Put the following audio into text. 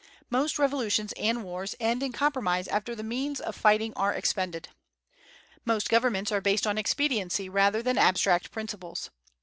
Most revolutions and wars end in compromise after the means of fighting are expended. Most governments are based on expediency rather than abstract principles.